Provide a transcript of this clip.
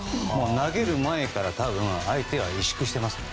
投げる前から多分相手は委縮してますね。